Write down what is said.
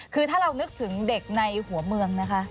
คือถ้าเรานึกถึงเด็กในหัวเมืองนะคะ